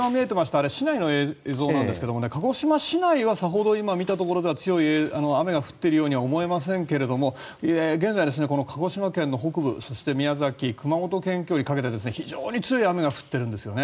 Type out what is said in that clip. あれ、市内の映像なんですけれどもね鹿児島市内はさほど今見たところでは強い雨が降っているようには思えませんけれども現在、この鹿児島県の北部そして宮崎、熊本県境にかけて非常に強い雨が降っているんですね。